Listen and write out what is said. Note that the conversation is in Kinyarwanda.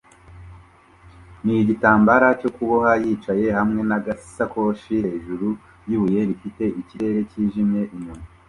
nigitambara cyo kuboha yicaye hamwe nagasakoshi hejuru yibuye rifite ikirere cyijimye inyuma